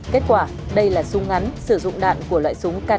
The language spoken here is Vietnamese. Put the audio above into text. kết quả đây là súng ngắn sử dụng đạn của loại súng k năm mươi chín